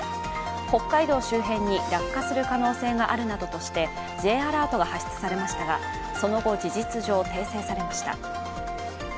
北海道周辺に落下する可能性があるなどとしてＪアラートが発出されましたが、その後、事実上訂正されました。